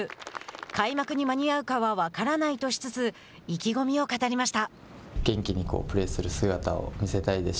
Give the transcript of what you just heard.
開幕に間に合うかは分からないとしつつ意気込みを語りました。